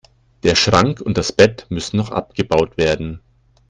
Der Schrank und das Bett müssen noch abgebaut werden.